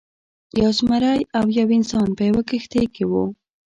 یو زمری او یو انسان په یوه کښتۍ کې وو.